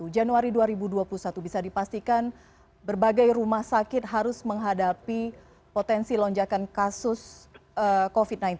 januari dua ribu dua puluh satu bisa dipastikan berbagai rumah sakit harus menghadapi potensi lonjakan kasus covid sembilan belas